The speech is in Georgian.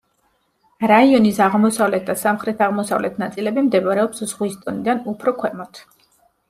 რაიონის აღმოსავლეთ და სამხრეთ-აღმოსავლეთ ნაწილები მდებარეობს ზღვის დონიდან უფრო ქვემოთ.